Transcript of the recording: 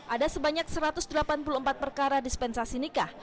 ada sebanyak satu ratus delapan puluh empat perkara dispensasi nikah